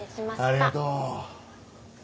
ありがとう。